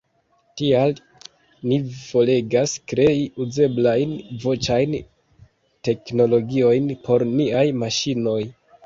Tial ni volegas krei uzeblajn voĉajn teknologiojn por niaj maŝinoj.